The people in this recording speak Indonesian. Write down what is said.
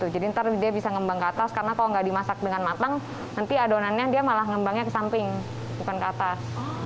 jadi nanti dia bisa ngembang ke atas karena kalau nggak dimasak dengan matang nanti adonannya dia malah ngembangnya ke samping bukan ke atas